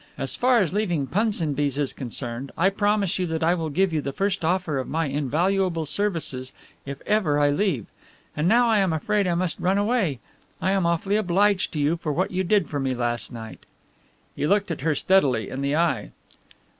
As far as leaving Punsonby's is concerned I promise you that I will give you the first offer of my invaluable services if ever I leave. And now I am afraid I must run away. I am awfully obliged to you for what you did for me last night." He looked at her steadily in the eye.